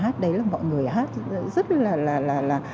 hát đấy là mọi người hát rất là